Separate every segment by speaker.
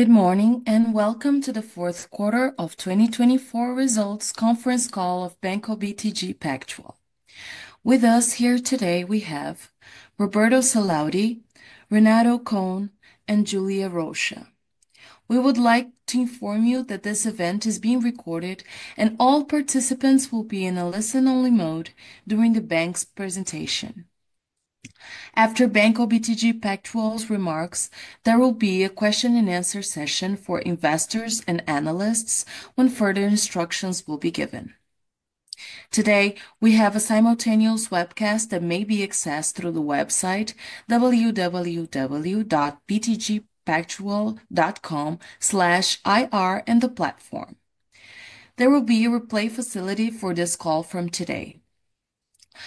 Speaker 1: Good morning and welcome to the fourth quarter of 2024 results conference call of Banco BTG Pactual. With us here today we have Roberto Sallouti, Renato Cohn, and Julia Rocha. We would like to inform you that this event is being recorded and all participants will be in a listen-only mode during the bank's presentation. After Banco BTG Pactual's remarks, there will be a question-and-answer session for investors and analysts when further instructions will be given. Today we have a simultaneous webcast that may be accessed through the website www.btgpactual.com/ir and the platform. There will be a replay facility for this call from today.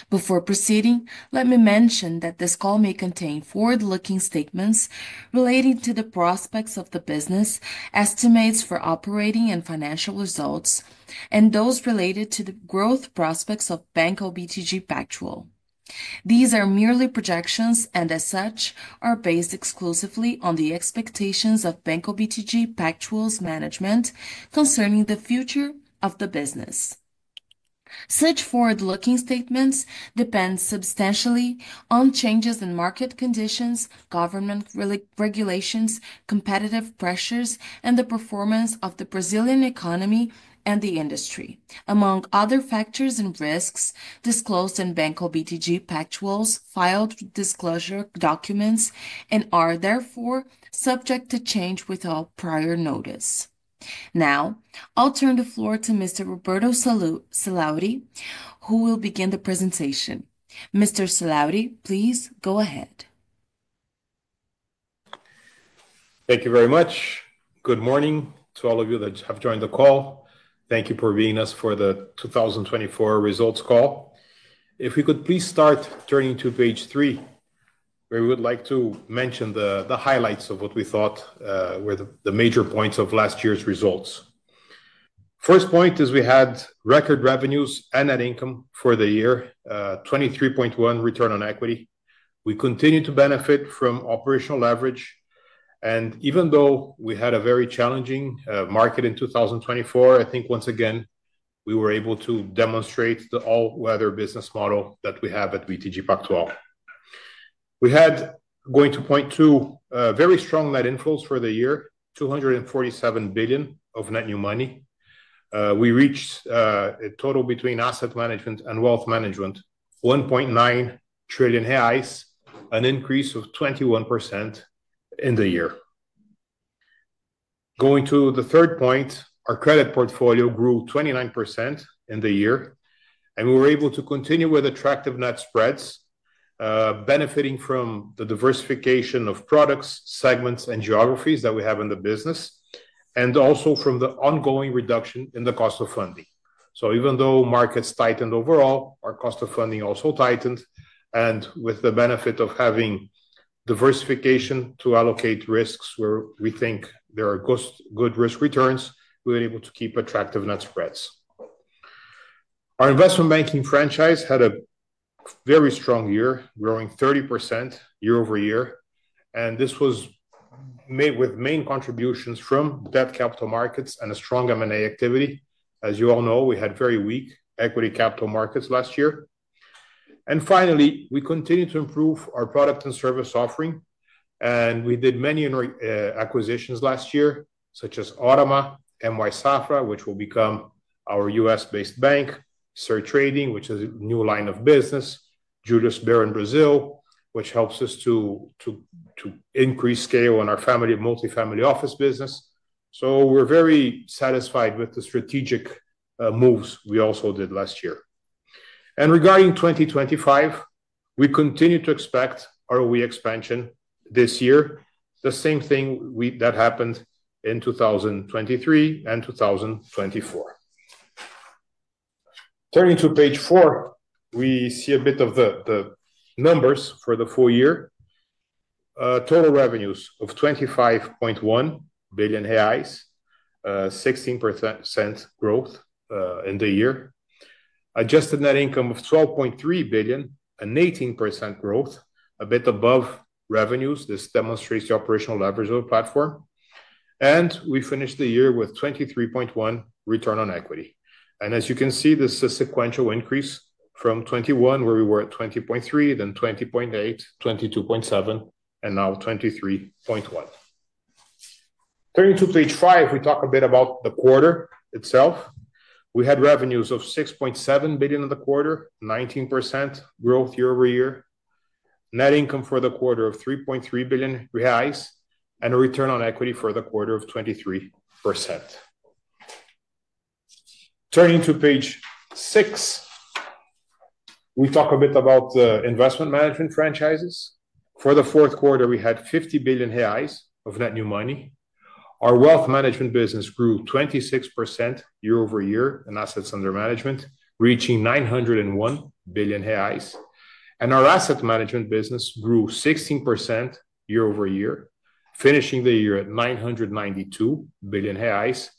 Speaker 1: Before proceeding, let me mention that this call may contain forward-looking statements relating to the prospects of the business, estimates for operating and financial results, and those related to the growth prospects of Banco BTG Pactual. These are merely projections and, as such, are based exclusively on the expectations of Banco BTG Pactual's management concerning the future of the business. Such forward-looking statements depend substantially on changes in market conditions, government regulations, competitive pressures, and the performance of the Brazilian economy and the industry, among other factors and risks disclosed in Banco BTG Pactual's filed disclosure documents and are, therefore, subject to change without prior notice. Now, I'll turn the floor to Mr. Roberto Sallouti, who will begin the presentation. Mr. Sallouti, please go ahead.
Speaker 2: Thank you very much. Good morning to all of you that have joined the call. Thank you for being with us for the 2024 results call. If we could please start turning to page three, where we would like to mention the highlights of what we thought were the major points of last year's results. First point is we had record revenues and net income for the year, 23.1% return on equity. We continue to benefit from operational leverage. And even though we had a very challenging market in 2024, I think once again we were able to demonstrate the all-weather business model that we have at BTG Pactual. We had, going to point two, very strong net inflows for the year, 247 billion of net new money. We reached a total between asset management and wealth management, 1.9 trillion reais, an increase of 21% in the year. Going to the third point, our credit portfolio grew 29% in the year, and we were able to continue with attractive net spreads, benefiting from the diversification of products, segments, and geographies that we have in the business, and also from the ongoing reduction in the cost of funding. So even though markets tightened overall, our cost of funding also tightened, and with the benefit of having diversification to allocate risks where we think there are good risk returns, we were able to keep attractive net spreads. Our investment banking franchise had a very strong year, growing 30% year over year, and this was made with main contributions from debt capital markets and a strong M&A activity. As you all know, we had very weak equity capital markets last year. Finally, we continue to improve our product and service offering, and we did many acquisitions last year, such as Órama, M.Y. Safra, which will become our U.S. based bank, Sertrading, which is a new line of business, Julius Baer in Brazil, which helps us to increase scale in our family multifamily office business. We're very satisfied with the strategic moves we also did last year. Regarding 2025, we continue to expect ROE expansion this year, the same thing that happened in 2023 and 2024. Turning to page four, we see a bit of the numbers for the full year. Total revenues of 25.1 billion reais, 16% growth in the year, adjusted net income of 12.3 billion, an 18% growth, a bit above revenues. This demonstrates the operational leverage of the platform. We finished the year with 23.1% return on equity. As you can see, this is a sequential increase from 21, where we were at 20.3, then 20.8, 22.7, and now 23.1. Turning to page five, we talk a bit about the quarter itself. We had revenues of 6.7 billion in the quarter, 19% growth year over year, net income for the quarter of 3.3 billion reais, and a return on equity for the quarter of 23%. Turning to page six, we talk a bit about the investment management franchises. For the fourth quarter, we had 50 billion reais of net new money. Our wealth management business grew 26% year over year in assets under management, reaching 901 billion reais. And our asset management business grew 16% year over year, finishing the year at 992 billion reais.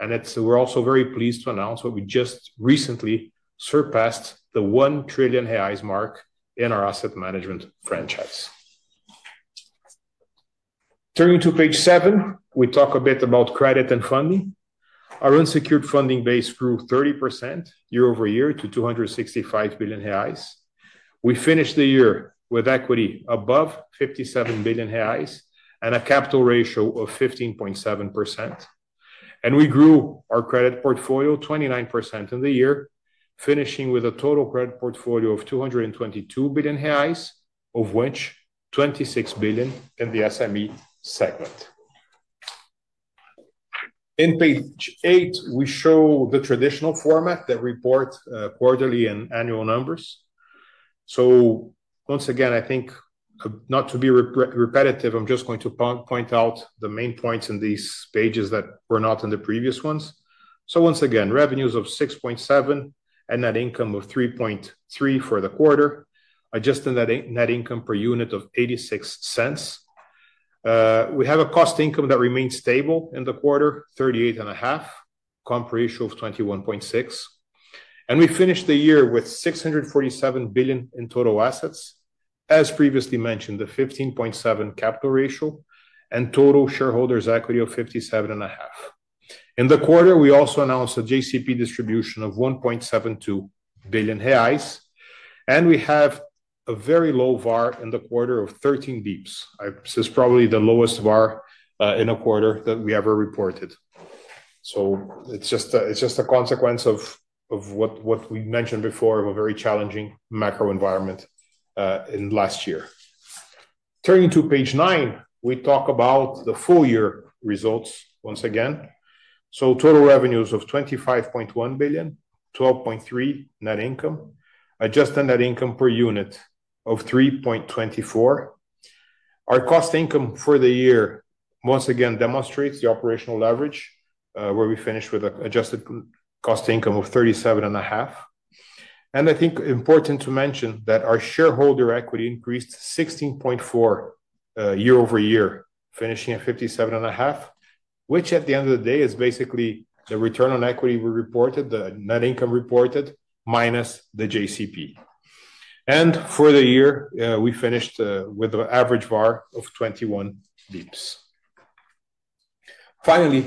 Speaker 2: And we're also very pleased to announce that we just recently surpassed the 1 trillion reais mark in our asset management franchise. Turning to page seven, we talk a bit about credit and funding. Our unsecured funding base grew 30% year over year to 265 billion reais. We finished the year with equity above 57 billion reais and a capital ratio of 15.7%, and we grew our credit portfolio 29% in the year, finishing with a total credit portfolio of 222 billion reais, of which 26 billion in the SME segment. On page eight, we show the traditional format that reports quarterly and annual numbers, so once again, I think not to be repetitive, I'm just going to point out the main points in these pages that were not in the previous ones, so once again, revenues of 6.7 and net income of 3.3 for the quarter, adjusted net income per unit of 0.86. We have a cost income that remained stable in the quarter, 38.5%, comp ratio of 21.6%. We finished the year with 647 billion in total assets, as previously mentioned, the 15.7% capital ratio, and total shareholders' equity of 57.5 billion. In the quarter, we also announced a JCP distribution of 1.72 billion reais. We have a very low VaR in the quarter of 13 bps. This is probably the lowest VaR in a quarter that we ever reported. It's just a consequence of what we mentioned before of a very challenging macro environment last year. Turning to page nine, we talk about the full year results once again. Total revenues of 25.1 billion, 12.3 billion net income, adjusted net income per unit of 3.24. Our cost income for the year once again demonstrates the operational leverage, where we finished with an adjusted cost income of 37.5%. I think it's important to mention that our shareholder equity increased 16.4% year over year, finishing at 57.5, which at the end of the day is basically the return on equity we reported, the net income reported, minus the JCP. For the year, we finished with an average VaR of 21 bps. Finally,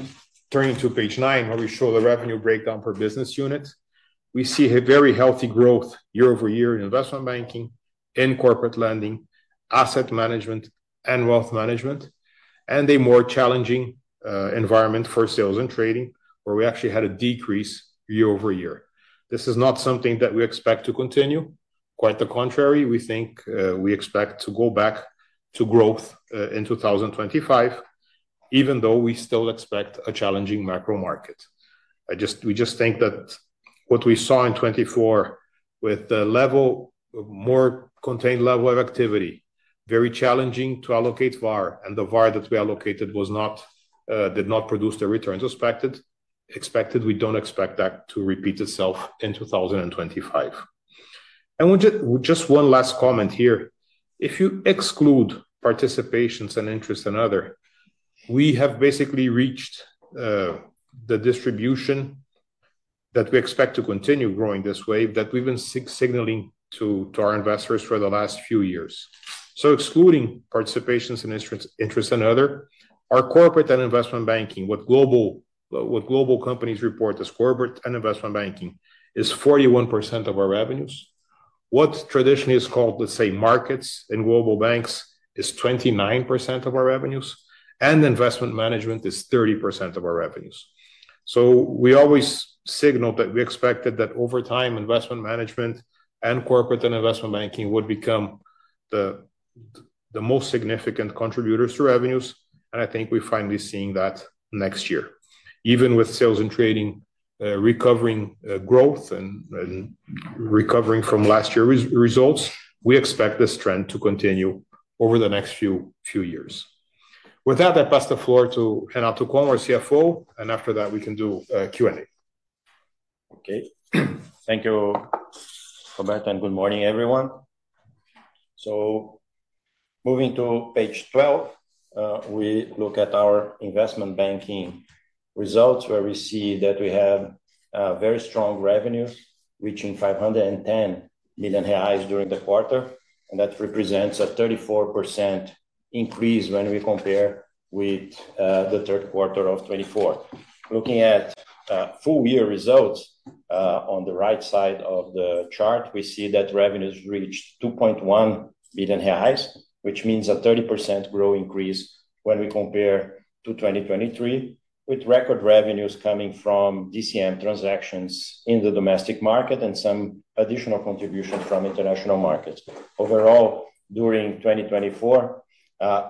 Speaker 2: turning to page nine, where we show the revenue breakdown per business unit, we see a very healthy growth year over year in investment banking, in corporate lending, asset management, and wealth management, and a more challenging environment for sales and trading, where we actually had a decrease year over year. This is not something that we expect to continue. Quite the contrary, we think we expect to go back to growth in 2025, even though we still expect a challenging macro market. We just think that what we saw in 2024 with the level of more contained level of activity, very challenging to allocate VaR, and the VaR that we allocated did not produce the returns expected. We don't expect that to repeat itself in 2025, and just one last comment here. If you exclude participations and interest in other, we have basically reached the distribution that we expect to continue growing this way that we've been signaling to our investors for the last few years, so excluding participations and interest in other, our corporate and investment banking, what global companies report as corporate and investment banking is 41% of our revenues. What traditionally is called, let's say, markets in global banks is 29% of our revenues, and investment management is 30% of our revenues. So we always signaled that we expected that over time, investment management and corporate and investment banking would become the most significant contributors to revenues, and I think we're finally seeing that next year. Even with sales and trading recovering growth and recovering from last year's results, we expect this trend to continue over the next few years. With that, I pass the floor to Renato Cohn, our CFO, and after that, we can do Q&A.
Speaker 3: Okay. Thank you, Roberto, and good morning, everyone, so moving to page 12, we look at our investment banking results, where we see that we have very strong revenues, reaching 510 million reais during the quarter, and that represents a 34% increase when we compare with the third quarter of 2024. Looking at full year results on the right side of the chart, we see that revenues reached 2.1 billion reais, which means a 30% growth increase when we compare to 2023, with record revenues coming from DCM transactions in the domestic market and some additional contributions from international markets. Overall, during 2024,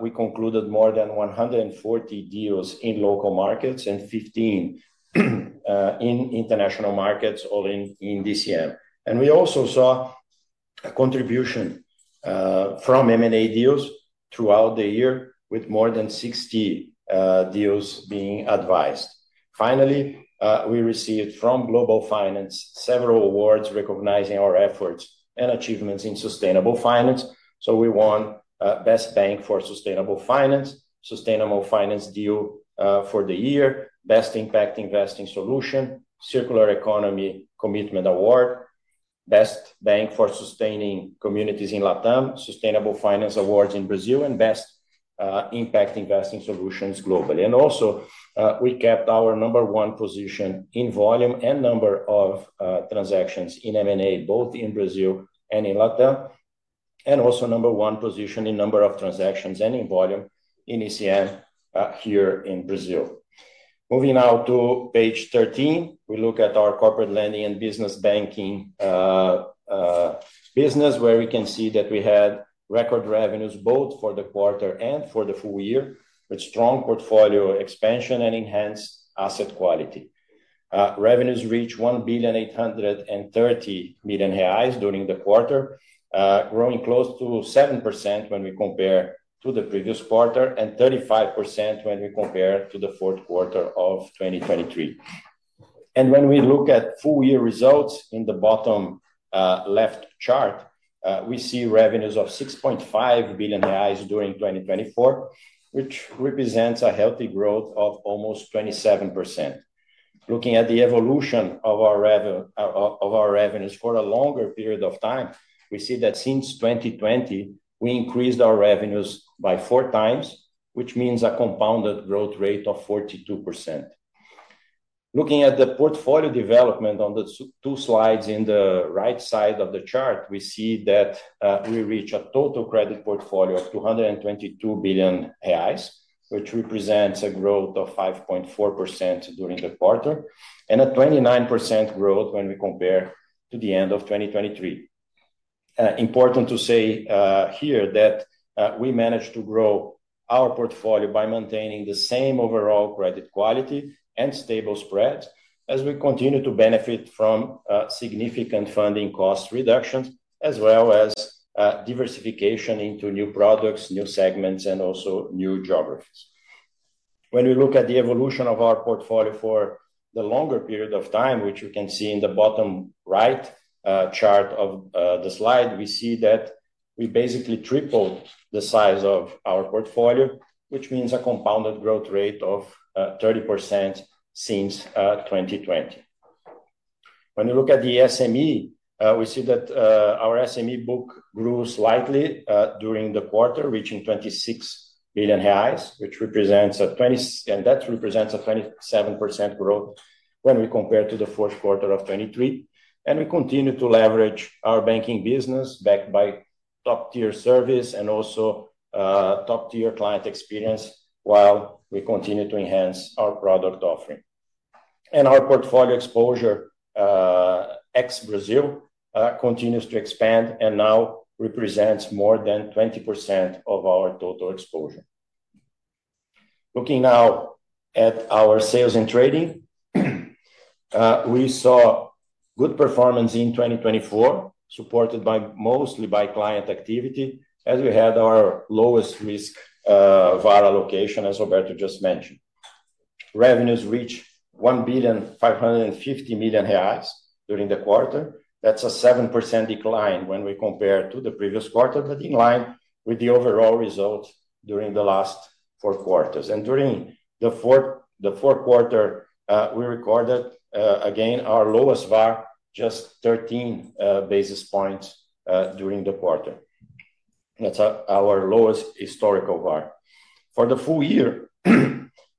Speaker 3: we concluded more than 140 deals in local markets and 15 in international markets, all in DCM, and we also saw a contribution from M&A deals throughout the year, with more than 60 deals being advised. Finally, we received from Global Finance several awards recognizing our efforts and achievements in sustainable finance, so we won Best Bank for Sustainable Finance, Sustainable Finance Deal for the Year, Best Impact Investing Solution, Circular Economy Commitment Award, Best Bank for Sustaining Communities in LatAm, Sustainable Finance Awards in Brazil, and Best Impact Investing Solutions globally, and also, we kept our number one position in volume and number of transactions in M&A, both in Brazil and in LatAm, and also number one position in number of transactions and in volume in ECM here in Brazil. Moving now to page 13, we look at our corporate lending and business banking business, where we can see that we had record revenues both for the quarter and for the full year with strong portfolio expansion and enhanced asset quality. Revenues reached 1.83 billion during the quarter, growing close to 7% when we compare to the previous quarter and 35% when we compare to the fourth quarter of 2023. When we look at full year results in the bottom left chart, we see revenues of 6.5 billion reais during 2024, which represents a healthy growth of almost 27%. Looking at the evolution of our revenues for a longer period of time, we see that since 2020, we increased our revenues by four times, which means a compounded growth rate of 42%. Looking at the portfolio development on the two slides in the right side of the chart, we see that we reach a total credit portfolio of 222 billion reais, which represents a growth of 5.4% during the quarter and a 29% growth when we compare to the end of 2023. Important to say here that we managed to grow our portfolio by maintaining the same overall credit quality and stable spreads as we continue to benefit from significant funding cost reductions, as well as diversification into new products, new segments, and also new geographies. When we look at the evolution of our portfolio for the longer period of time, which you can see in the bottom right chart of the slide, we see that we basically tripled the size of our portfolio, which means a compounded growth rate of 30% since 2020. When we look at the SME, we see that our SME book grew slightly during the quarter, reaching 26 billion reais, which represents a 27% growth when we compare to the fourth quarter of 2023. We continue to leverage our banking business backed by top-tier service and also top-tier client experience while we continue to enhance our product offering. Our portfolio exposure ex-Brazil continues to expand and now represents more than 20% of our total exposure. Looking now at our sales and trading, we saw good performance in 2024, supported mostly by client activity, as we had our lowest risk VaR allocation, as Roberto just mentioned. Revenues reached 1.55 billion during the quarter. That's a 7% decline when we compare to the previous quarter, but in line with the overall results during the last four quarters. During the fourth quarter, we recorded again our lowest VaR, just 13 basis points during the quarter. That's our lowest historical VaR. For the full year,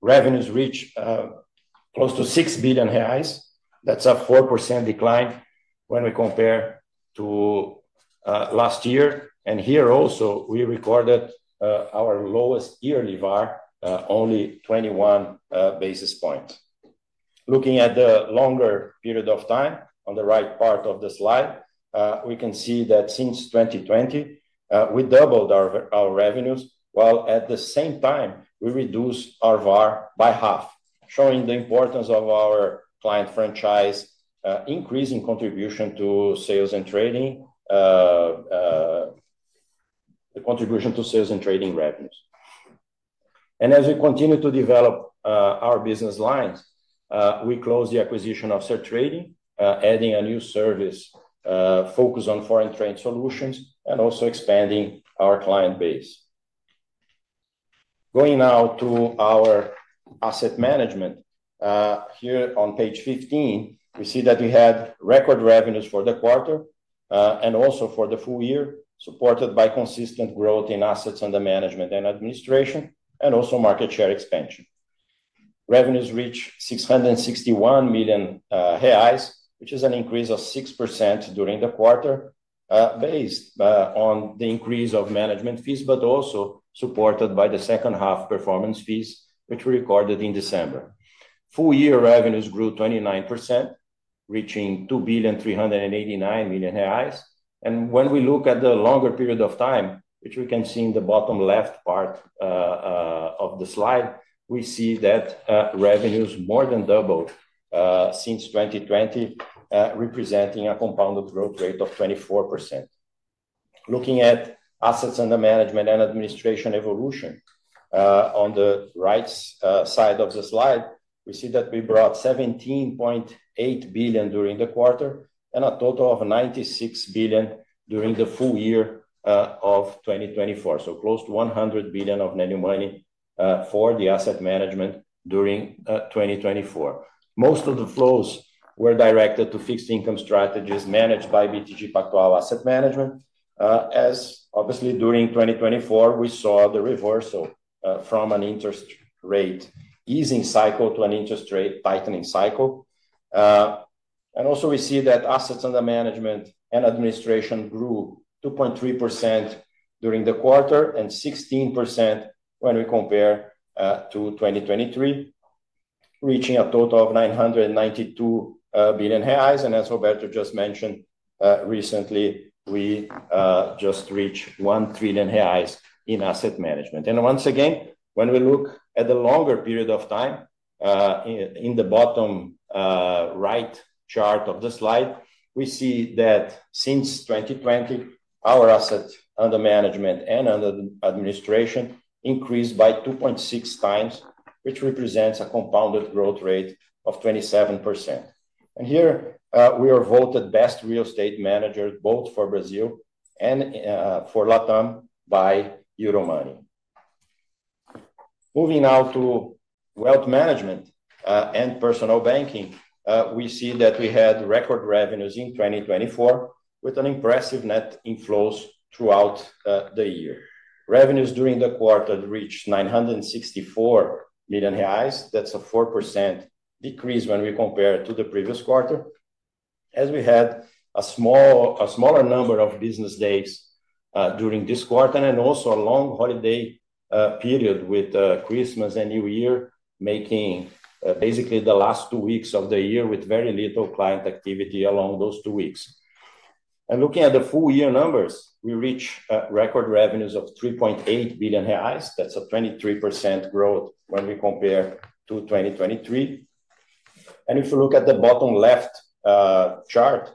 Speaker 3: revenues reached close to 6 billion reais. That's a 4% decline when we compare to last year. And here also, we recorded our lowest yearly VaR, only 21 basis points. Looking at the longer period of time on the right part of the slide, we can see that since 2020, we doubled our revenues, while at the same time, we reduced our VaR by half, showing the importance of our client franchise increasing contribution to sales and trading, the contribution to sales and trading revenues. And as we continue to develop our business lines, we closed the acquisition of Sertrading, adding a new service focused on foreign trade solutions and also expanding our client base. Going now to our asset management, here on page 15, we see that we had record revenues for the quarter and also for the full year, supported by consistent growth in assets under management and administration, and also market share expansion. Revenues reached 661 million reais, which is an increase of 6% during the quarter, based on the increase of management fees, but also supported by the second-half performance fees, which we recorded in December. Full year revenues grew 29%, reaching 2 billion 389 million. And when we look at the longer period of time, which we can see in the bottom left part of the slide, we see that revenues more than doubled since 2020, representing a compounded growth rate of 24%. Looking at assets under management and administration evolution on the right side of the slide, we see that we brought 17.8 billion during the quarter and a total of 96 billion during the full year of 2024. So close to 100 billion of net new money for the asset management during 2024. Most of the flows were directed to fixed income strategies managed by BTG Pactual Asset Management. As obviously, during 2024, we saw the reversal from an interest rate easing cycle to an interest rate tightening cycle, and also, we see that assets under management and administration grew 2.3% during the quarter and 16% when we compare to 2023, reaching a total of 992 billion reais. And as Roberto just mentioned recently, we just reached 1 trillion reais in asset management, and once again, when we look at the longer period of time, in the bottom right chart of the slide, we see that since 2020, our assets under management and under administration increased by 2.6 times, which represents a compounded growth rate of 27%, and here, we are voted best real estate manager, both for Brazil and for LatAm by Euromoney. Moving now to wealth management and personal banking, we see that we had record revenues in 2024 with an impressive net inflows throughout the year. Revenues during the quarter reached 964 million reais. That's a 4% decrease when we compare to the previous quarter, as we had a smaller number of business days during this quarter and also a long holiday period with Christmas and New Year making basically the last two weeks of the year with very little client activity along those two weeks. Looking at the full year numbers, we reached record revenues of 3.8 billion reais. That's a 23% growth when we compare to 2023. If you look at the bottom left chart,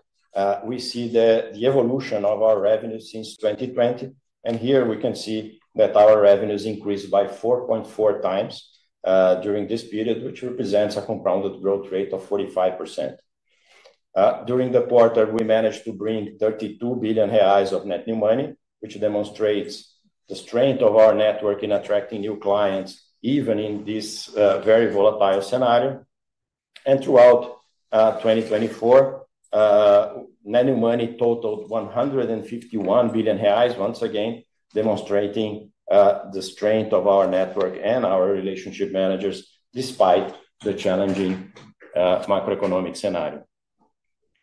Speaker 3: we see the evolution of our revenues since 2020. Here, we can see that our revenues increased by 4.4 times during this period, which represents a compounded growth rate of 45%. During the quarter, we managed to bring 32 billion reais of net new money, which demonstrates the strength of our network in attracting new clients, even in this very volatile scenario. Throughout 2024, net new money totaled 151 billion reais, once again demonstrating the strength of our network and our relationship managers despite the challenging macroeconomic scenario.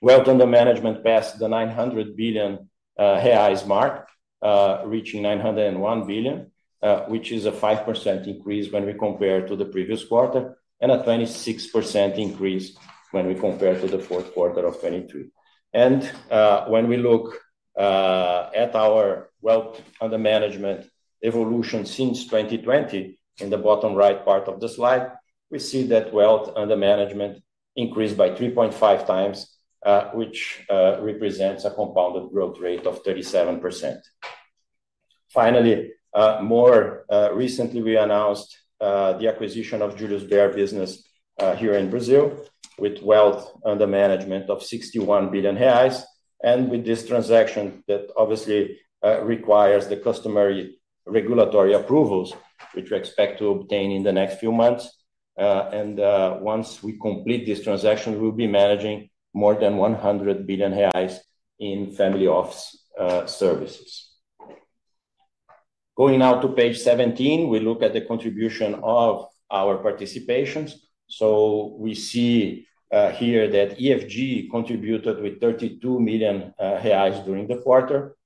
Speaker 3: Wealth under management passed the 900 billion reais mark, reaching 901 billion, which is a 5% increase when we compare to the previous quarter and a 26% increase when we compare to the fourth quarter of 2023. When we look at our wealth under management evolution since 2020, in the bottom right part of the slide, we see that wealth under management increased by 3.5 times, which represents a compounded growth rate of 37%. Finally, more recently, we announced the acquisition of Julius Baer business here in Brazil with wealth under management of 61 billion reais. With this transaction that obviously requires the customary regulatory approvals, which we expect to obtain in the next few months, once we complete this transaction, we will be managing more than 100 billion reais in family office services. Going now to page 17, we look at the contribution of our participations. So we see here that EFG contributed with 32 million reais during the quarter.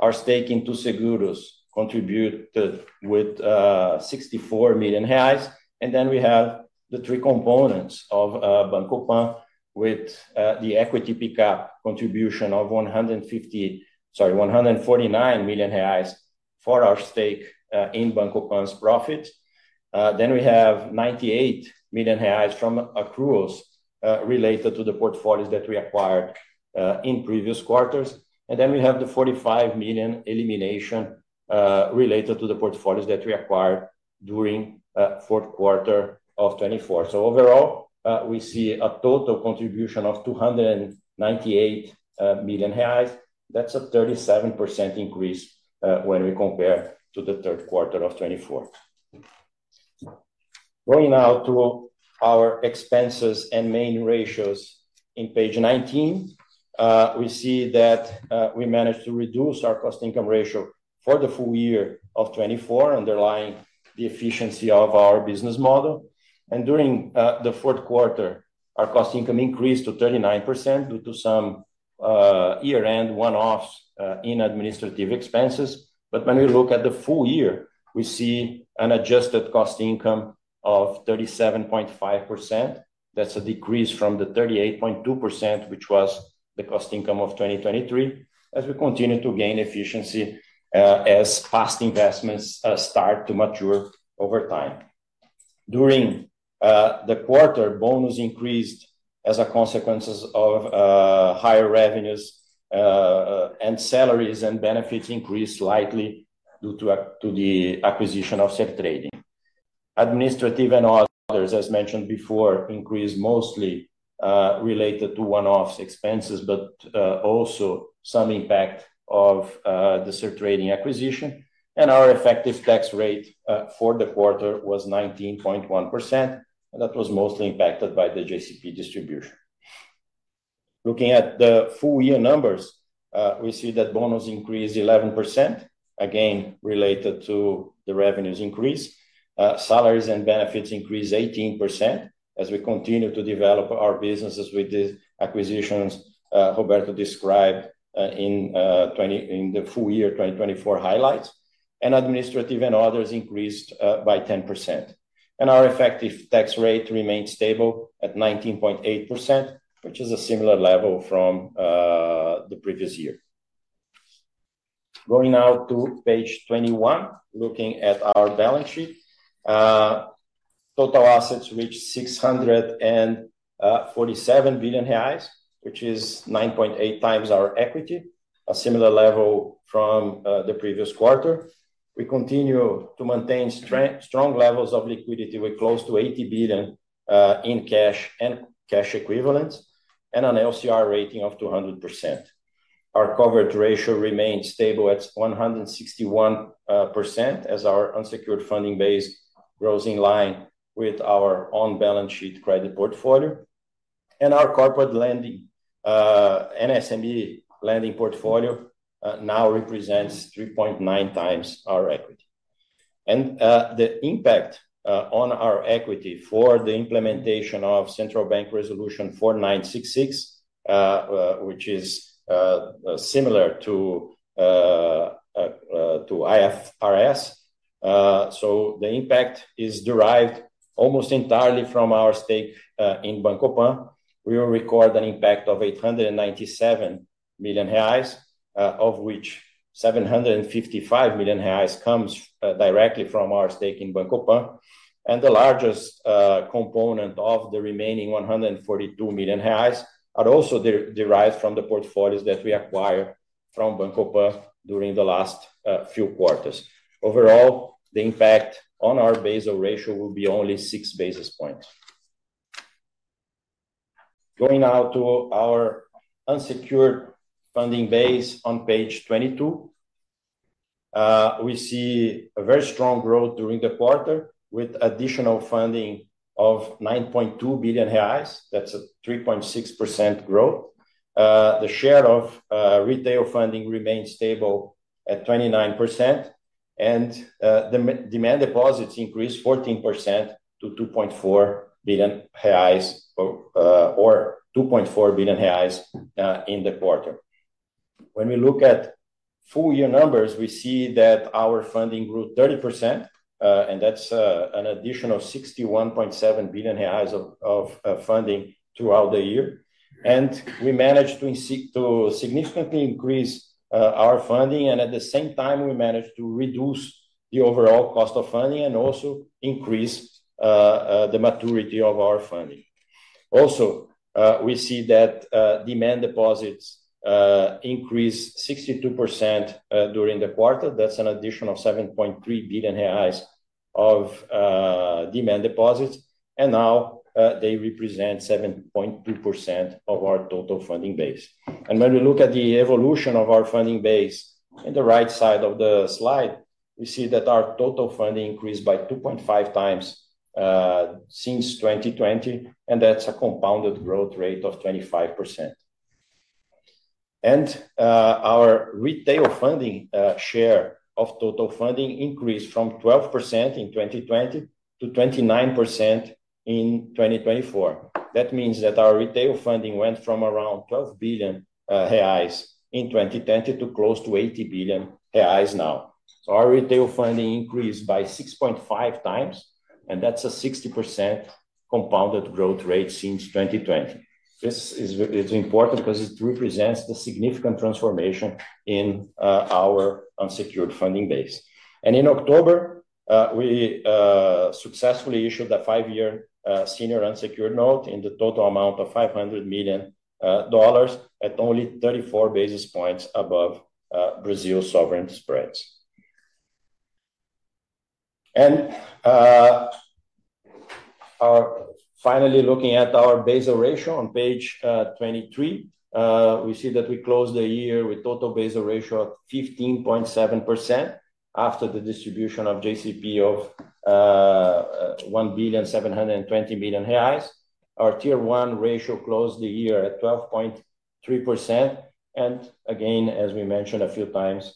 Speaker 3: Our stake in Too Seguros contributed with 64 million reais. Then we have the three components of Banco Pan, with the equity pickup contribution of 149 million reais for our stake in Banco Pan's profits. Then we have 98 million reais from accruals related to the portfolios that we acquired in previous quarters. Then we have the 45 million elimination related to the portfolios that we acquired during the fourth quarter of 2024. So overall, we see a total contribution of 298 million reais. That's a 37% increase when we compare to the third quarter of 2024. Going now to our expenses and main ratios in page 19, we see that we managed to reduce our cost income ratio for the full year of 2024, underlining the efficiency of our business model. During the fourth quarter, our cost income increased to 39% due to some year-end one-offs in administrative expenses. When we look at the full year, we see an adjusted cost income of 37.5%. That's a decrease from the 38.2%, which was the cost income of 2023, as we continue to gain efficiency as past investments start to mature over time. During the quarter, bonus increased as a consequence of higher revenues, and salaries and benefits increased slightly due to the acquisition of Sertrading. Administrative and others, as mentioned before, increased, mostly related to one-off expenses, but also some impact of the Sertrading acquisition. And our effective tax rate for the quarter was 19.1%, and that was mostly impacted by the JCP distribution. Looking at the full year numbers, we see that bonus increased 11%, again related to the revenues increase. Salaries and benefits increased 18% as we continue to develop our businesses with the acquisitions Roberto described in the full year 2024 highlights. And administrative and others increased by 10%. And our effective tax rate remained stable at 19.8%, which is a similar level from the previous year. Going now to page 21, looking at our balance sheet, total assets reached 647 billion reais, which is 9.8 times our equity, a similar level from the previous quarter. We continue to maintain strong levels of liquidity with close to 80 billion in cash and cash equivalents, and an LCR rating of 200%. Our coverage ratio remained stable at 161% as our unsecured funding base grows in line with our own balance sheet credit portfolio. And our corporate lending and SME lending portfolio now represents 3.9 times our equity. And the impact on our equity for the implementation of central bank Resolution 4966, which is similar to IFRS. So the impact is derived almost entirely from our stake in Banco Pan. We will record an impact of 897 million reais, of which 755 million reais comes directly from our stake in Banco Pan. The largest component of the remaining 142 million reais are also derived from the portfolios that we acquired from Banco Pan during the last few quarters. Overall, the impact on our Basel ratio will be only six basis points. Going now to our unsecured funding base on page 22, we see a very strong growth during the quarter with additional funding of 9.2 billion reais. That's a 3.6% growth. The share of retail funding remained stable at 29%, and the demand deposits increased 14% to 2.4 billion reais or 2.4 billion reais in the quarter. When we look at full year numbers, we see that our funding grew 30%, and that's an additional 61.7 billion reais of funding throughout the year. And we managed to significantly increase our funding, and at the same time, we managed to reduce the overall cost of funding and also increase the maturity of our funding. Also, we see that demand deposits increased 62% during the quarter. That's an additional 7.3 billion reais of demand deposits, and now they represent 7.2% of our total funding base. And when we look at the evolution of our funding base in the right side of the slide, we see that our total funding increased by 2.5 times since 2020, and that's a compounded growth rate of 25%. And our retail funding share of total funding increased from 12% in 2020 to 29% in 2024. That means that our retail funding went from around 12 billion reais in 2020 to close to 80 billion reais now. So our retail funding increased by 6.5 times, and that's a 60% compounded growth rate since 2020. This is important because it represents the significant transformation in our unsecured funding base. And in October, we successfully issued a five-year senior unsecured note in the total amount of $500 million at only 34 basis points above Brazil's sovereign spreads. And finally, looking at our Basel ratio on page 23, we see that we closed the year with total Basel ratio of 15.7% after the distribution of JCP of 1.72 billion. Our Tier 1 ratio closed the year at 12.3%. And again, as we mentioned a few times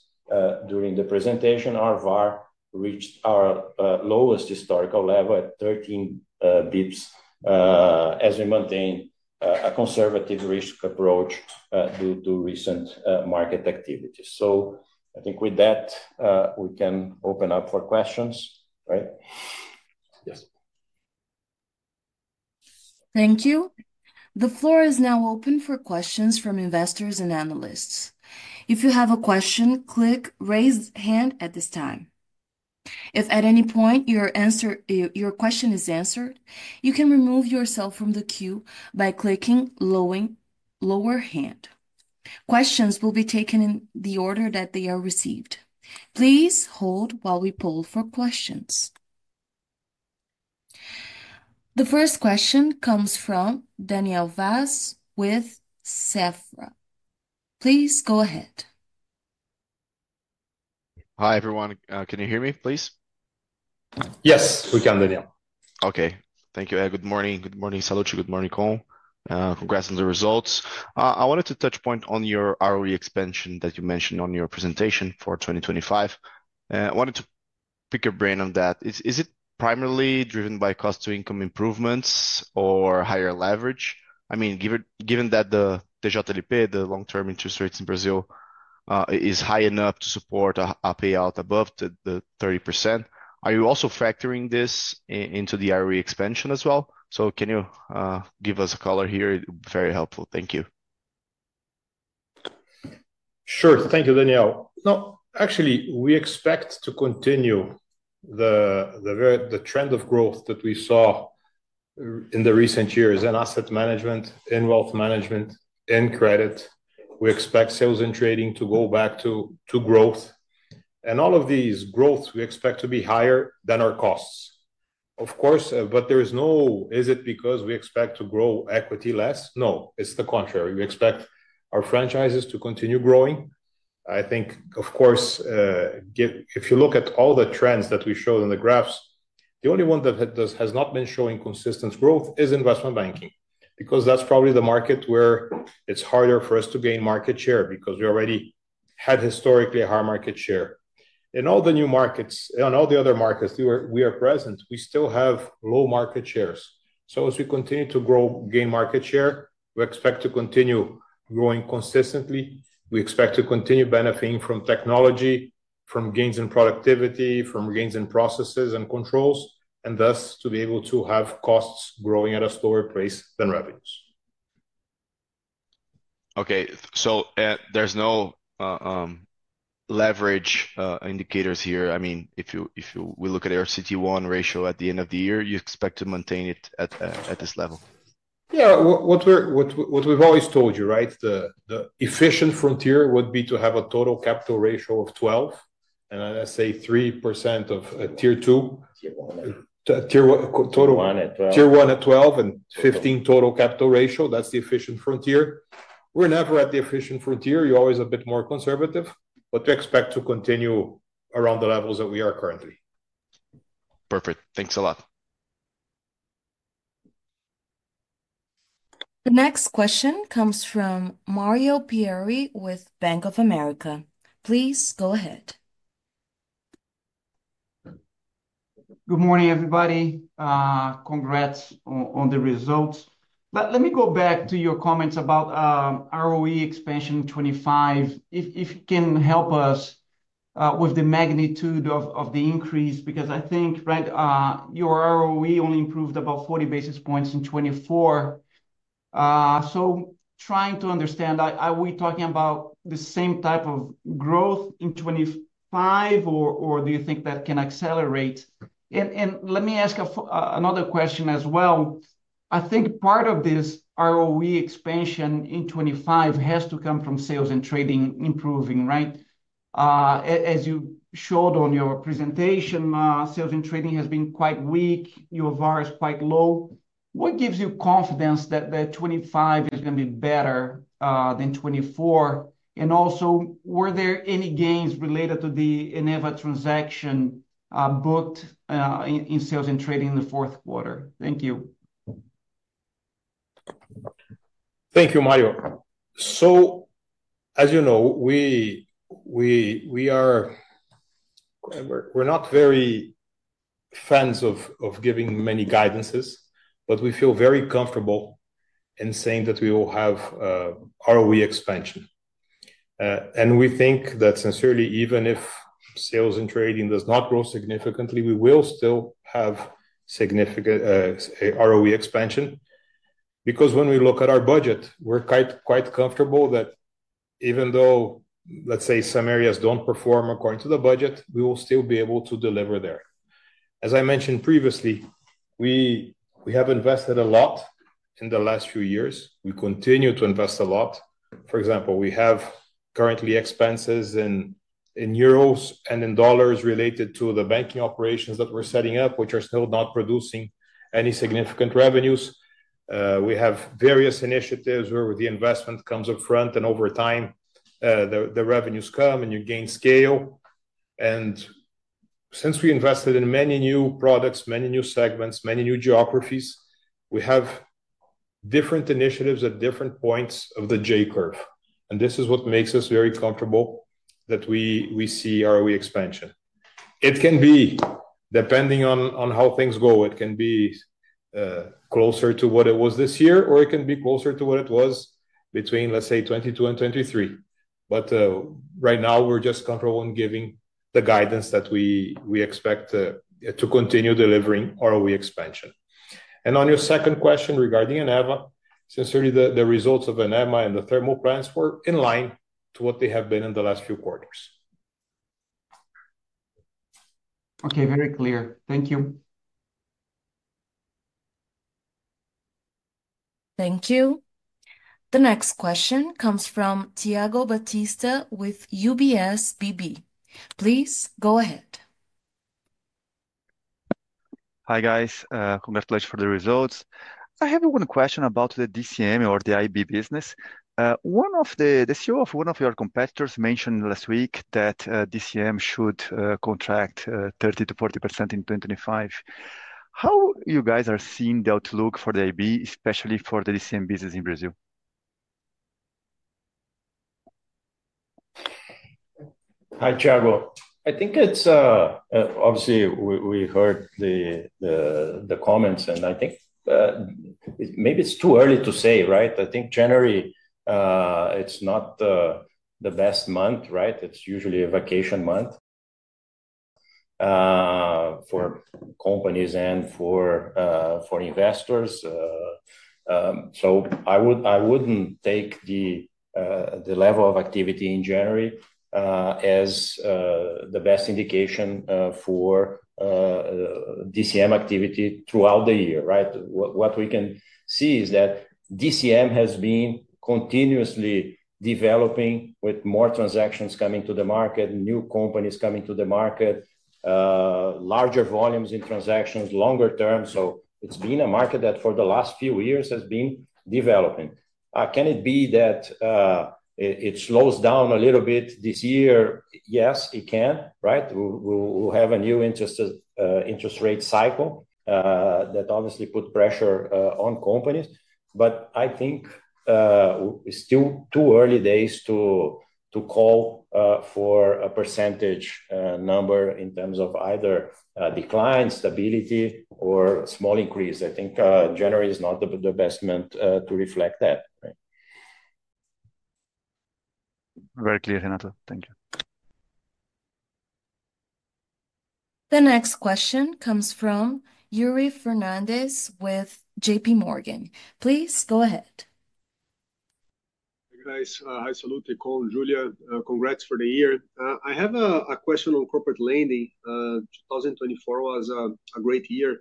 Speaker 3: during the presentation, our VaR reached our lowest historical level at 13 basis points as we maintain a conservative risk approach due to recent market activity. So I think with that, we can open up for questions, right?
Speaker 1: Yes. Thank you. The floor is now open for questions from investors and analysts. If you have a question, click raise hand at this time. If at any point your question is answered, you can remove yourself from the queue by clicking lower hand. Questions will be taken in the order that they are received. Please hold while we poll for questions. The first question comes from Daniel Vaz with Banco Safra. Please go ahead.
Speaker 4: Hi everyone. Can you hear me, please?
Speaker 2: Yes, we can, Daniel.
Speaker 4: Okay. Thank you. Good morning. Good morning, Sallouti. Good morning, Cohn. Congrats on the results. I wanted to touch point on your ROE expansion that you mentioned on your presentation for 2025. I wanted to pick your brain on that. Is it primarily driven by cost to income improvements or higher leverage? I mean, given that the DI yield, the long-term interest rates in Brazil is high enough to support a payout above the 30%, are you also factoring this into the ROE expansion as well? So can you give us a color here? Very helpful. Thank you.
Speaker 2: Sure. Thank you, Daniel. No, actually, we expect to continue the trend of growth that we saw in the recent years in asset management, in wealth management, in credit. We expect sales and trading to go back to growth. And all of these growths, we expect to be higher than our costs, of course. But is it because we expect to grow equity less? No, it's the contrary. We expect our franchises to continue growing. I think, of course, if you look at all the trends that we showed in the graphs, the only one that has not been showing consistent growth is Investment Banking because that's probably the market where it's harder for us to gain market share because we already had historically a high market share. In all the new markets, in all the other markets we are present, we still have low market shares. So as we continue to grow, gain market share, we expect to continue growing consistently. We expect to continue benefiting from technology, from gains in productivity, from gains in processes and controls, and thus to be able to have costs growing at a slower pace than revenues.
Speaker 4: Okay. So there's no leverage indicators here. I mean, if we look at our CET1 ratio at the end of the year, you expect to maintain it at this level?
Speaker 2: Yeah. What we've always told you, right? The efficient frontier would be to have a total capital ratio of 12, and I say 3% of Tier 2. Tier 1. Tier 1. Tier 1 at 12 and 15 total capital ratio. That's the efficient frontier. We're never at the efficient frontier. You're always a bit more conservative, but we expect to continue around the levels that we are currently.
Speaker 4: Perfect. Thanks a lot.
Speaker 1: The next question comes from Mario Pierry with Bank of America. Please go ahead.
Speaker 5: Good morning, everybody. Congrats on the results. Let me go back to your comments about ROE expansion in 2025, if you can help us with the magnitude of the increase, because I think your ROE only improved about 40 basis points in 2024. So trying to understand, are we talking about the same type of growth in 2025, or do you think that can accelerate? Let me ask another question as well. I think part of this ROE expansion in 2025 has to come from sales and trading improving, right? As you showed on your presentation, sales and trading has been quite weak. Your VaR is quite low. What gives you confidence that the 2025 is going to be better than 2024? And also, were there any gains related to the Eneva transaction booked in sales and trading in the fourth quarter? Thank you.
Speaker 2: Thank you, Mario. As you know, we are not very fans of giving many guidances, but we feel very comfortable in saying that we will have ROE expansion. And we think that sincerely, even if sales and trading does not grow significantly, we will still have significant ROE expansion. Because when we look at our budget, we're quite comfortable that even though, let's say, some areas don't perform according to the budget, we will still be able to deliver there. As I mentioned previously, we have invested a lot in the last few years. We continue to invest a lot. For example, we have currently expenses in euros and in dollars related to the banking operations that we're setting up, which are still not producing any significant revenues. We have various initiatives where the investment comes up front, and over time, the revenues come and you gain scale, and since we invested in many new products, many new segments, many new geographies, we have different initiatives at different points of the J curve, and this is what makes us very comfortable that we see ROE expansion. It can be depending on how things go. It can be closer to what it was this year, or it can be closer to what it was between, let's say, 2022 and 2023. But right now, we're just comfortable in giving the guidance that we expect to continue delivering ROE expansion. And on your second question regarding Eneva, sincerely, the results of Eneva and the thermal plans were in line to what they have been in the last few quarters.
Speaker 5: Okay. Very clear. Thank you.
Speaker 1: Thank you. The next question comes from Thiago Batista with UBS BB. Please go ahead.
Speaker 6: Hi guys. Congratulations for the results. I have one question about the DCM or the IB business. One of the CEOs of one of your competitors mentioned last week that DCM should contract 30%-40% in 2025. How you guys are seeing the outlook for the IB, especially for the DCM business in Brazil?
Speaker 3: Hi, Thiago. I think it's obviously we heard the comments, and I think maybe it's too early to say, right? I think January is not the best month, right? It's usually a vacation month for companies and for investors. So I wouldn't take the level of activity in January as the best indication for DCM activity throughout the year, right? What we can see is that DCM has been continuously developing with more transactions coming to the market, new companies coming to the market, larger volumes in transactions, longer terms. So it's been a market that for the last few years has been developing. Can it be that it slows down a little bit this year? Yes, it can, right? We'll have a new interest rate cycle that obviously puts pressure on companies. But I think it's still too early days to call for a percentage number in terms of either decline, stability, or small increase. I think January is not the best month to reflect that.
Speaker 6: Very clear, Renato. Thank you.
Speaker 1: The next question comes from Yuri Fernandes with JPMorgan. Please go ahead.
Speaker 7: Hi guys. Hi Sallouti, Cohn, Julia. Congrats for the year. I have a question on corporate lending. 2024 was a great year,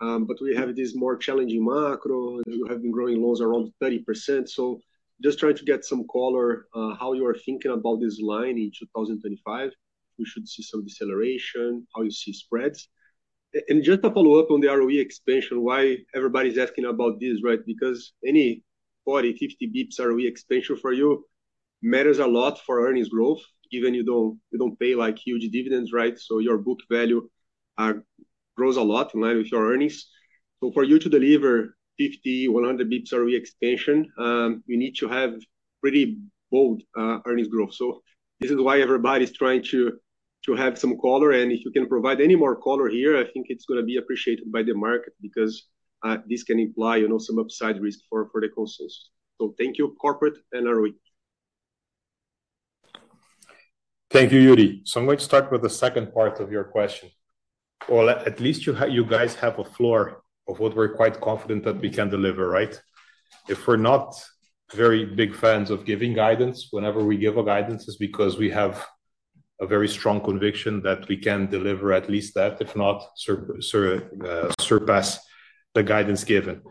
Speaker 7: but we have this more challenging macro. You have been growing loans around 30%. So just trying to get some color on how you are thinking about this line in 2025. We should see some deceleration, how you see spreads. And just to follow up on the ROE expansion, why everybody's asking about this, right? Because any 40-50 bips ROE expansion for you matters a lot for earnings growth, even if you don't pay huge dividends, right? So your book value grows a lot in line with your earnings. So for you to deliver 50-100 bips ROE expansion, you need to have pretty bold earnings growth. So this is why everybody's trying to have some color. And if you can provide any more color here, I think it's going to be appreciated by the market because this can imply some upside risk for the consultants. So thank you, corporate and ROE.
Speaker 2: Thank you, Yuri. So I'm going to start with the second part of your question. Well, at least you guys have a floor of what we're quite confident that we can deliver, right? If we're not very big fans of giving guidance, whenever we give guidance, it's because we have a very strong conviction that we can deliver at least that, if not surpass the guidance given.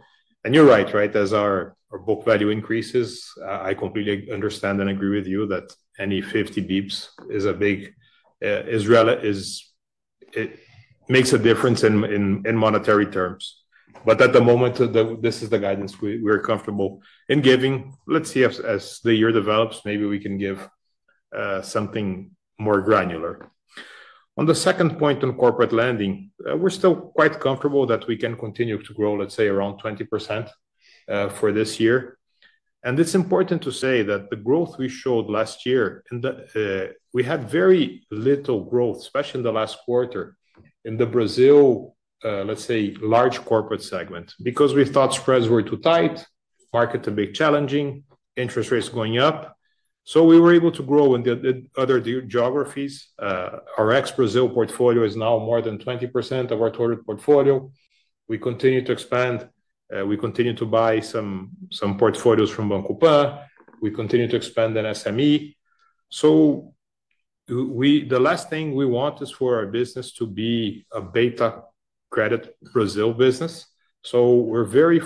Speaker 2: And you're right, right? As our book value increases, I completely understand and agree with you that any 50 bips is a big deal. It makes a difference in monetary terms. But at the moment, this is the guidance we're comfortable in giving. Let's see as the year develops, maybe we can give something more granular. On the second point on corporate lending, we're still quite comfortable that we can continue to grow, let's say, around 20% for this year. And it's important to say that the growth we showed last year, we had very little growth, especially in the last quarter, in Brazil, let's say, large corporate segment, because we thought spreads were too tight, markets a bit challenging, interest rates going up. So we were able to grow in the other geographies. Our ex-Brazil portfolio is now more than 20% of our total portfolio. We continue to expand. We continue to buy some portfolios from Banco Pan. We continue to expand in SME. So the last thing we want is for our business to be a beta credit Brazil business. So we're very,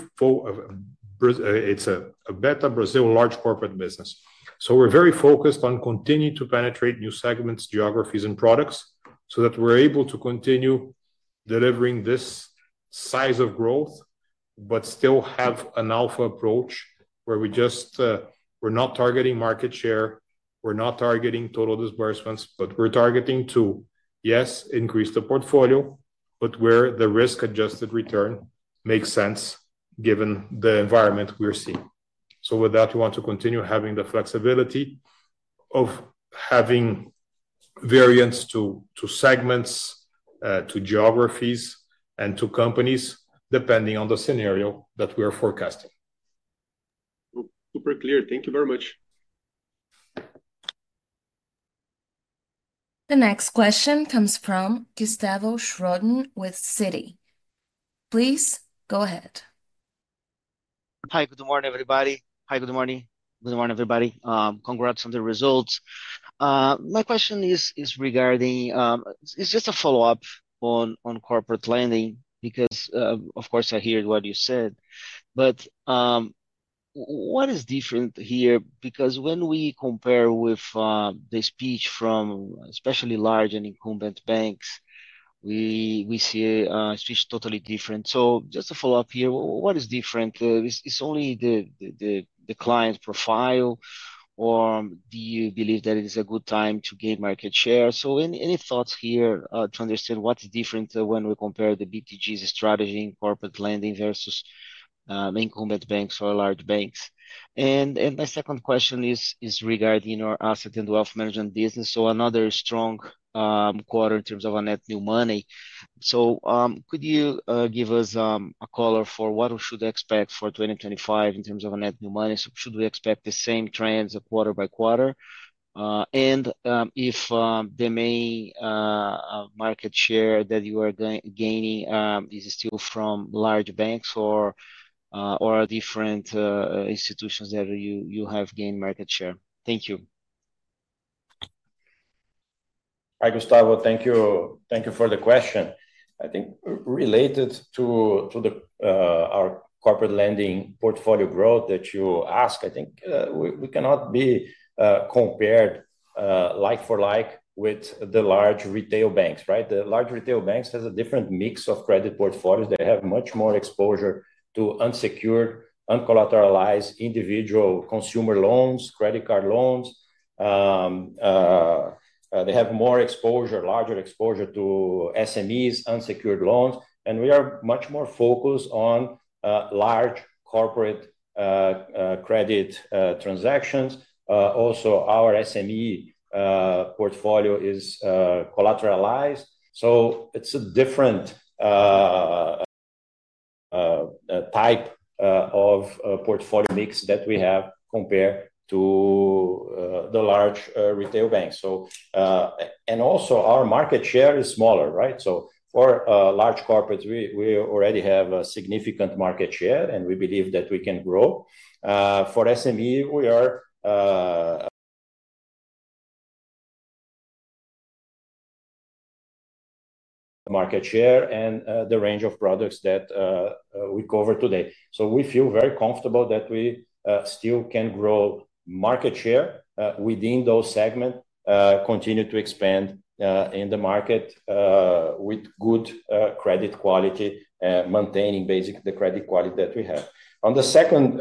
Speaker 2: it's a beta Brazil large corporate business. So we're very focused on continuing to penetrate new segments, geographies, and products so that we're able to continue delivering this size of growth, but still have an alpha approach where we're not targeting market share, we're not targeting total disbursements, but we're targeting to, yes, increase the portfolio, but where the risk-adjusted return makes sense given the environment we're seeing. So with that, we want to continue having the flexibility of having variants to segments, to geographies, and to companies depending on the scenario that we are forecasting.
Speaker 7: Super clear. Thank you very much.
Speaker 1: The next question comes from Gustavo Schroden with Citi. Please go ahead.
Speaker 8: Hi, good morning, everybody. Hi, good morning. Good morning, everybody. Congrats on the results. My question is regarding; it's just a follow-up on corporate lending because, of course, I hear what you said. But what is different here? Because when we compare with the speech from especially large and incumbent banks, we see a speech totally different. So just to follow up here, what is different? It's only the client profile, or do you believe that it is a good time to gain market share? So any thoughts here to understand what's different when we compare the BTG's strategy in corporate lending versus incumbent banks or large banks? And my second question is regarding our asset and wealth management business, so another strong quarter in terms of net new money. So could you give us a color for what we should expect for 2025 in terms of net new money? So should we expect the same trends quarter by quarter? And if the main market share that you are gaining is still from large banks or different institutions that you have gained market share? Thank you.
Speaker 3: Hi, Gustavo. Thank you for the question. I think related to our corporate lending portfolio growth that you asked, I think we cannot be compared like for like with the large retail banks, right? The large retail banks have a different mix of credit portfolios. They have much more exposure to unsecured, uncollateralized individual consumer loans, credit card loans. They have more exposure, larger exposure to SMEs, unsecured loans. And we are much more focused on large corporate credit transactions. Also, our SME portfolio is collateralized. So it's a different type of portfolio mix that we have compared to the large retail banks. And also, our market share is smaller, right? So for large corporates, we already have a significant market share, and we believe that we can grow. For SME, we are market share and the range of products that we cover today. We feel very comfortable that we still can grow market share within those segments, continue to expand in the market with good credit quality, maintaining basically the credit quality that we have. On the second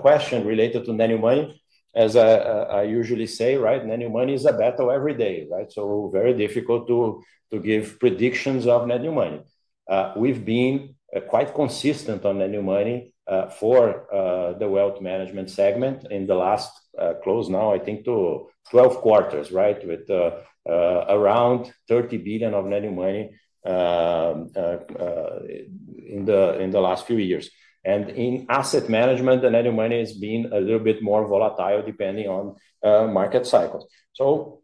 Speaker 3: question related to net new money, as I usually say, right? Net new money is a battle every day, right? So very difficult to give predictions of net new money. We've been quite consistent on net new money for the wealth management segment in the last close now, I think, to 12 quarters, right? With around 30 billion of net new money in the last few years. And in asset management, the net new money has been a little bit more volatile depending on market cycles. So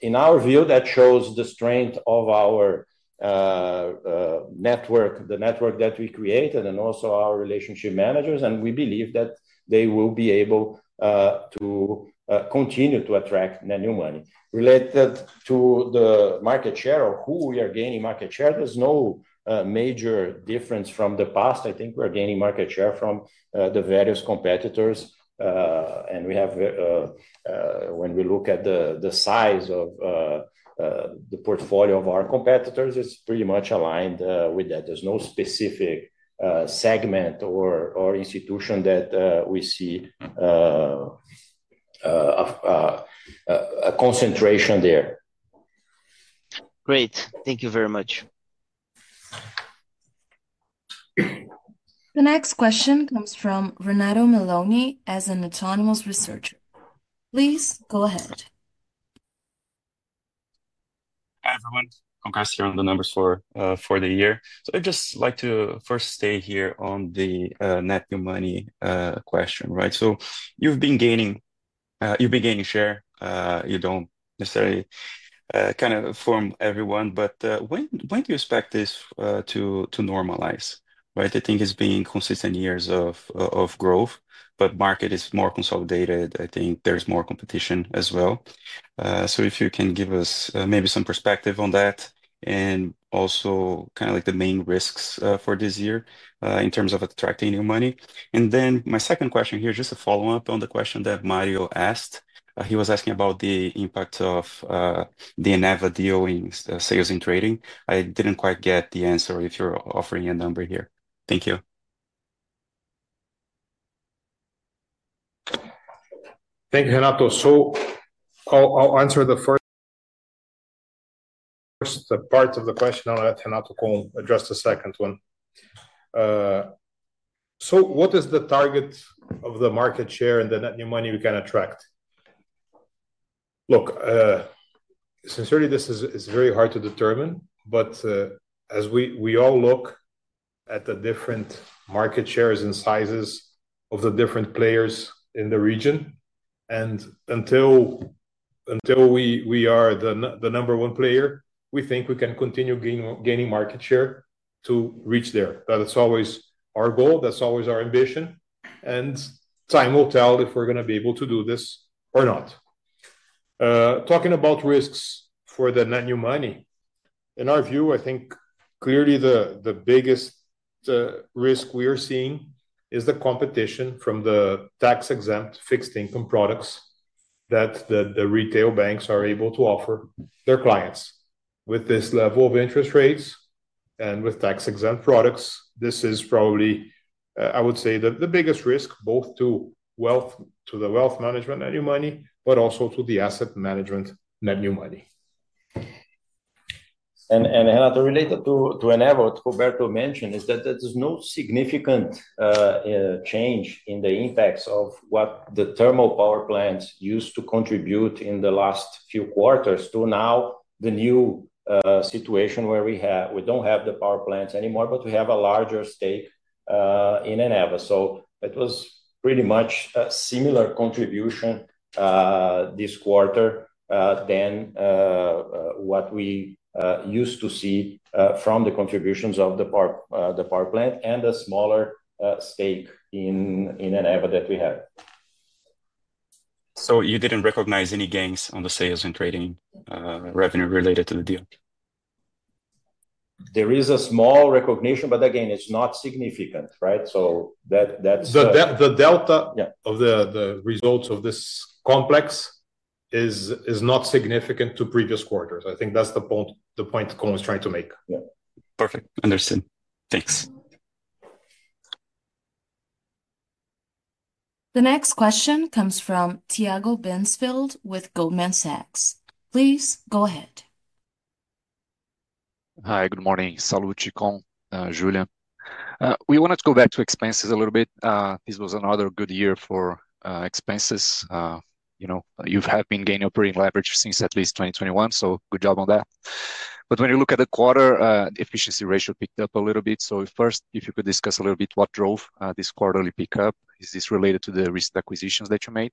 Speaker 3: in our view, that shows the strength of our network, the network that we created, and also our relationship managers. We believe that they will be able to continue to attract net new money. Related to the market share or who we are gaining market share, there's no major difference from the past. I think we're gaining market share from the various competitors. And we have, when we look at the size of the portfolio of our competitors, it's pretty much aligned with that. There's no specific segment or institution that we see a concentration there.
Speaker 8: Great. Thank you very much.
Speaker 1: The next question comes from Renato Meloni of Autonomous Research. Please go ahead.
Speaker 9: Hi, everyone. Congrats here on the numbers for the year. So I'd just like to first stay here on the net new money question, right? So you've been gaining share. You don't necessarily kind of form everyone, but when do you expect this to normalize, right? I think it's been consistent years of growth, but the market is more consolidated. I think there's more competition as well. So if you can give us maybe some perspective on that and also kind of like the main risks for this year in terms of attracting new money. And then my second question here is just a follow-up on the question that Mario asked. He was asking about the impact of the Eneva deal in sales and trading. I didn't quite get the answer if you're offering a number here. Thank you.
Speaker 2: Thank you, Renato. So I'll answer the first part of the question. I'll let Renato Cohn address the second one. So what is the target of the market share and the net new money we can attract? Look, sincerely, this is very hard to determine, but as we all look at the different market shares and sizes of the different players in the region, and until we are the number one player, we think we can continue gaining market share to reach there. That's always our goal. That's always our ambition, and time will tell if we're going to be able to do this or not. Talking about risks for the net new money, in our view, I think clearly the biggest risk we are seeing is the competition from the tax-exempt fixed income products that the retail banks are able to offer their clients. With this level of interest rates and with tax-exempt products, this is probably, I would say, the biggest risk both to the wealth management net new money, but also to the asset management net new money.
Speaker 3: Renato, related to Eneva, what Roberto mentioned is that there's no significant change in the impacts of what the thermal power plants used to contribute in the last few quarters to now the new situation where we don't have the power plants anymore, but we have a larger stake in Eneva. So it was pretty much a similar contribution this quarter than what we used to see from the contributions of the power plant and a smaller stake in Eneva that we have.
Speaker 9: So you didn't recognize any gains on the sales and trading revenue related to the deal?
Speaker 3: There is a small recognition, but again, it's not significant, right? So that's
Speaker 2: the delta of the results of this complex is not significant to previous quarters. I think that's the point Cohn was trying to make.
Speaker 9: Yeah. Perfect. Understood. Thanks.
Speaker 1: The next question comes from Tiago Binsfeld with Goldman Sachs. Please go ahead.
Speaker 10: Hi, good morning. Sallouti, Cohn, Julia. We wanted to go back to expenses a little bit. This was another good year for expenses. You have been gaining operating leverage since at least 2021, so good job on that. But when you look at the quarter, efficiency ratio picked up a little bit. So first, if you could discuss a little bit what drove this quarterly pickup, is this related to the recent acquisitions that you made?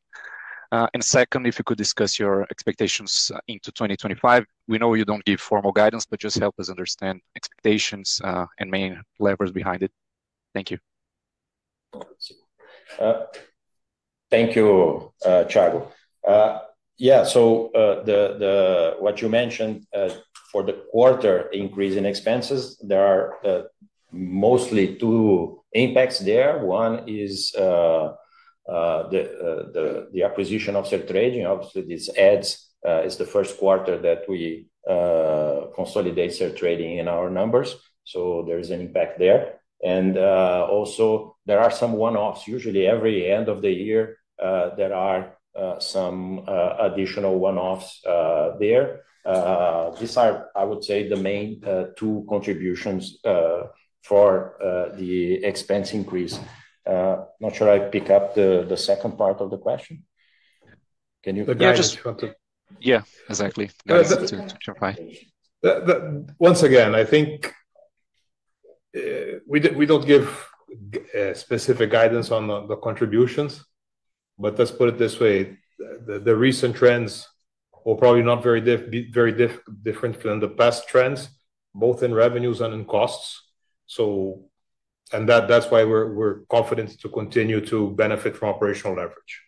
Speaker 10: And second, if you could discuss your expectations into 2025. We know you don't give formal guidance, but just help us understand expectations and main levers behind it. Thank you.
Speaker 3: Thank you, Tiago. Yeah, so what you mentioned for the quarter increase in expenses, there are mostly two impacts there. One is the acquisition of Sertrading. Obviously, this is the first quarter that we consolidate Sertrading in our numbers. So there is an impact there, and also, there are some one-offs. Usually, every end of the year, there are some additional one-offs there. These are, I would say, the main two contributions for the expense increase. Not sure I picked up the second part of the question. Can you?
Speaker 10: Yeah, exactly.
Speaker 2: Once again, I think we don't give specific guidance on the contributions, but let's put it this way. The recent trends will probably not be very different from the past trends, both in revenues and in costs, and that's why we're confident to continue to benefit from operational leverage.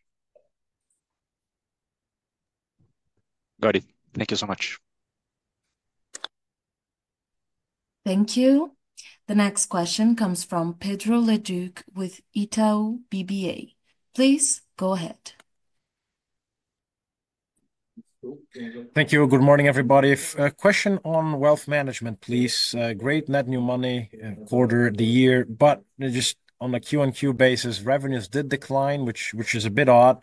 Speaker 10: Got it. Thank you so much.
Speaker 1: Thank you. The next question comes from Pedro Leduc with Itaú BBA. Please go ahead.
Speaker 11: Thank you. Good morning, everybody. A question on wealth management, please. Great net new money quarter of the year, but just on a Q&Q basis, revenues did decline, which is a bit odd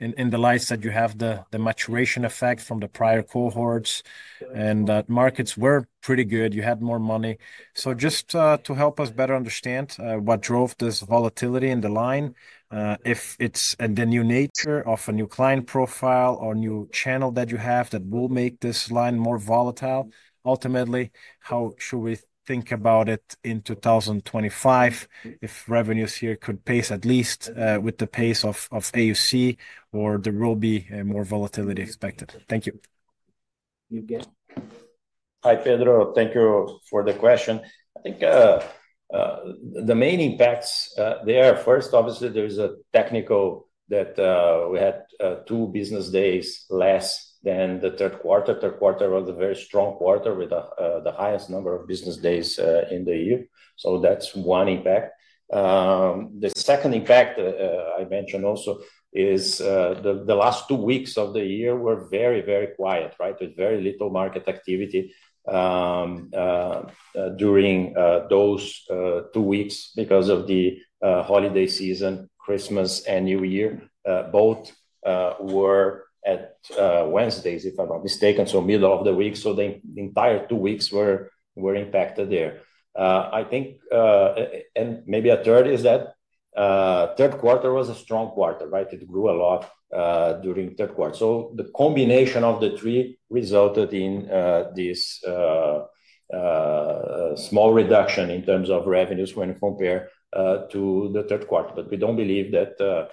Speaker 11: in the light that you have the maturation effect from the prior cohorts, and markets were pretty good. You had more money. So just to help us better understand what drove this volatility in the line, if it's the new nature of a new client profile or new channel that you have that will make this line more volatile, ultimately, how should we think about it in 2025 if revenues here could pace at least with the pace of AUC or there will be more volatility expected? Thank you.
Speaker 3: Hi, Pedro. Thank you for the question. I think the main impacts there, first, obviously, there is a technical that we had two business days less than the third quarter. Third quarter was a very strong quarter with the highest number of business days in the year. So that's one impact. The second impact I mentioned also is the last two weeks of the year were very, very quiet, right? With very little market activity during those two weeks because of the holiday season, Christmas and New Year. Both were at Wednesdays, if I'm not mistaken, so middle of the week. So the entire two weeks were impacted there. I think, and maybe a third is that third quarter was a strong quarter, right? It grew a lot during third quarter. So the combination of the three resulted in this small reduction in terms of revenues when compared to the third quarter. But we don't believe that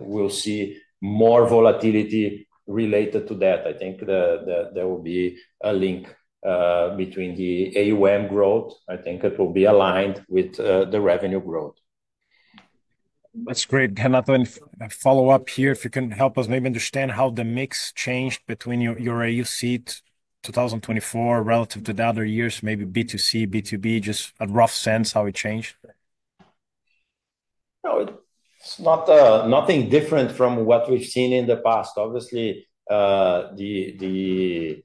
Speaker 3: we'll see more volatility related to that. I think there will be a link between the AUM growth. I think it will be aligned with the revenue growth.
Speaker 11: That's great. Can I follow up here if you can help us maybe understand how the mix changed between your AUC 2024 relative to the other years, maybe B2C, B2B, just a rough sense how it changed?
Speaker 3: No, it's nothing different from what we've seen in the past. Obviously, the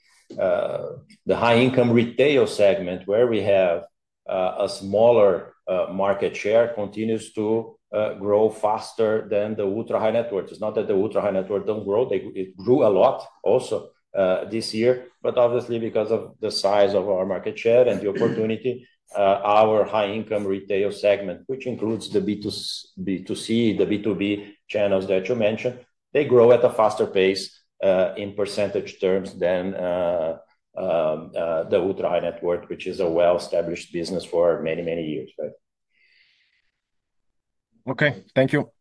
Speaker 3: high-income retail segment where we have a smaller market share continues to grow faster than the ultra-high net worth. It's not that the ultra-high net worth don't grow. It grew a lot also this year. But obviously, because of the size of our market share and the opportunity, our high-income retail segment, which includes the B2C, the B2B channels that you mentioned, they grow at a faster pace in percentage terms than the ultra-high net worth, which is a well-established business for many, many years, right?
Speaker 11: Okay. Thank you.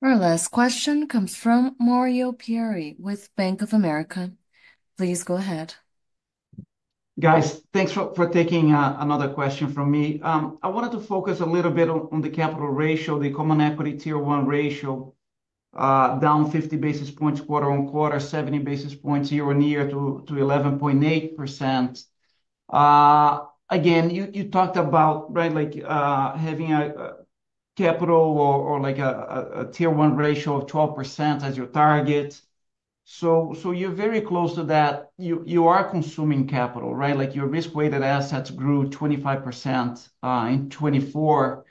Speaker 1: Our last question comes from Mario Pierry with Bank of America. Please go ahead.
Speaker 5: Guys, thanks for taking another question from me. I wanted to focus a little bit on the capital ratio, the Common Equity Tier 1 ratio, down 50 basis points quarter on quarter, 70 basis points year on year to 11.8%. Again, you talked about, right, having a capital or a Tier 1 ratio of 12% as your target. So you're very close to that. You are consuming capital, right? Your risk-weighted assets grew 25% in 2024.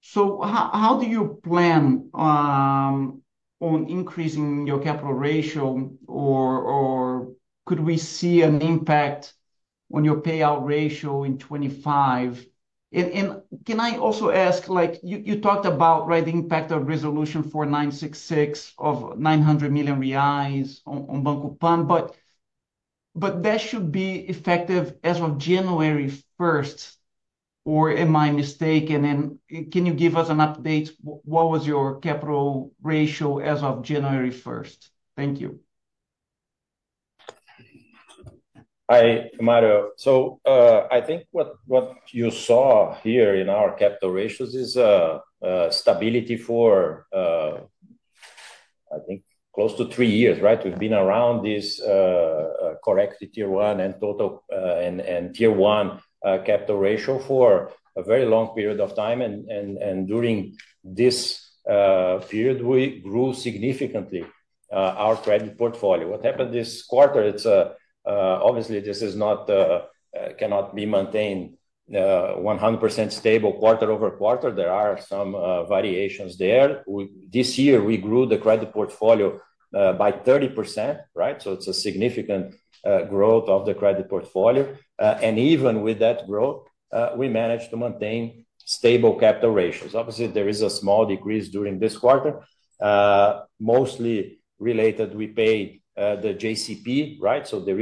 Speaker 5: So how do you plan on increasing your capital ratio, or could we see an impact on your payout ratio in 2025? And can I also ask, you talked about the impact of Resolution 4966 of 900 million reais on Banco Pan, but that should be effective as of January 1st, or am I mistaken? Can you give us an update? What was your capital ratio as of January 1st? Thank you.
Speaker 3: Hi, Mario. So I think what you saw here in our capital ratios is stability for, I think, close to three years, right? We've been around this core Tier 1 and Tier 1 capital ratio for a very long period of time. And during this period, we grew significantly our credit portfolio. What happened this quarter? Obviously, this cannot be maintained 100% stable quarter over quarter. There are some variations there. This year, we grew the credit portfolio by 30%, right? So it's a significant growth of the credit portfolio. And even with that growth, we managed to maintain stable capital ratios. Obviously, there is a small decrease during this quarter, mostly related to we pay the JCP, right? So there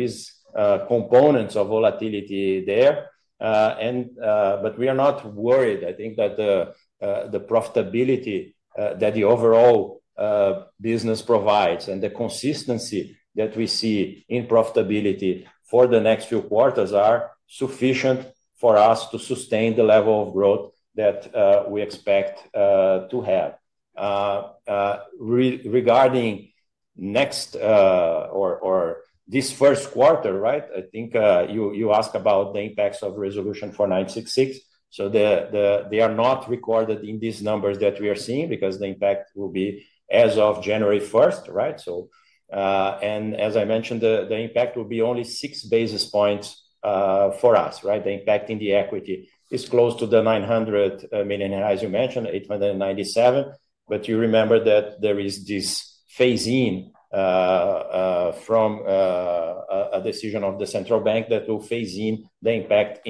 Speaker 3: are components of volatility there. But we are not worried. I think that the profitability that the overall business provides and the consistency that we see in profitability for the next few quarters are sufficient for us to sustain the level of growth that we expect to have. Regarding next or this first quarter, right, I think you asked about the impacts of Resolution 4966. So they are not recorded in these numbers that we are seeing because the impact will be as of January 1st, right? And as I mentioned, the impact will be only six basis points for us, right? The impact in the equity is close to the 900 million you mentioned, 897 million. But you remember that there is this phase-in from a decision of the central bank that will phase in the impact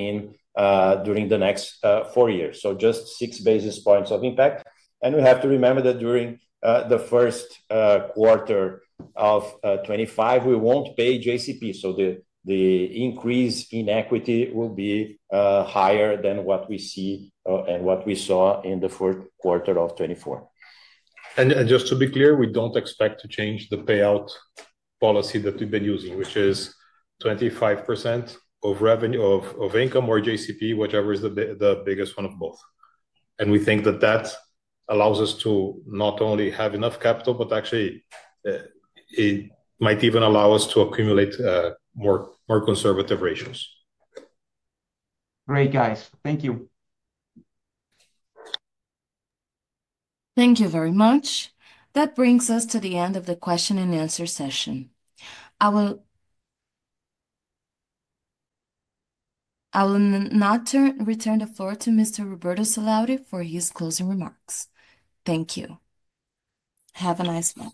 Speaker 3: during the next four years. So just six basis points of impact. We have to remember that during the first quarter of 2025, we won't pay JCP. So the increase in equity will be higher than what we see and what we saw in the fourth quarter of 2024.
Speaker 2: And just to be clear, we don't expect to change the payout policy that we've been using, which is 25% of income or JCP, whichever is the biggest one of both. And we think that that allows us to not only have enough capital, but actually, it might even allow us to accumulate more conservative ratios.
Speaker 5: Great, guys. Thank you.
Speaker 1: Thank you very much. That brings us to the end of the question and answer session. I will now return the floor to Mr. Roberto Sallouti for his closing remarks. Thank you. Have a nice one.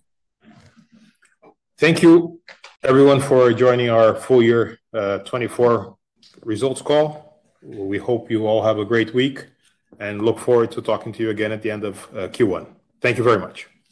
Speaker 2: Thank you, everyone, for joining our full year 2024 results call. We hope you all have a great week and look forward to talking to you again at the end of Q1. Thank you very much.